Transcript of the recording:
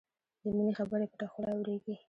د مینې خبرې پټه خوله اورېږي